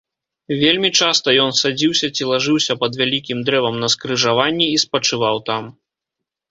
Вельмі часта ён садзіўся ці лажыўся пад вялікім дрэвам на скрыжаванні і спачываў там.